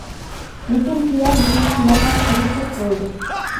لېكىن كېلەر يىللىق پىلانغا كىرگۈزسەك بولىدۇ.